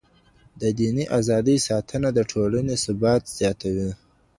د دیني ازادۍ ساتنه د ټولني ثبات زیاتوي.